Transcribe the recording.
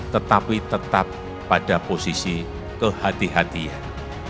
tetapi tetap pada posisi kehati hatian